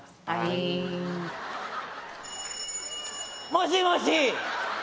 ☎もしもし。